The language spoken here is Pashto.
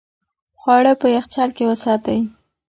خواړه په یخچال کې وساتئ.